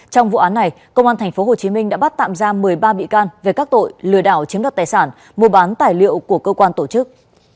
trong vụ án này công an tp hồ chí minh đã bắt tạm ra một mươi ba bị can về các tội lừa đảo chiếm đọc tài sản mua bán tài liệu của cơ quan tổ chức